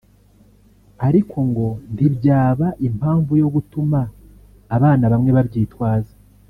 ariko ngo ntibyaba impamvu yo gutuma abana bamwe babyitwaza